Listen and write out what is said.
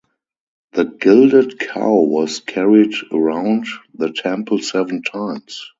The gilded cow was carried around the temple seven times.